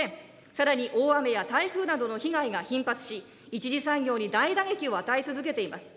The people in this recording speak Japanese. さらに、大雨や台風などの被害が頻発し、１次産業に大打撃を与え続けています。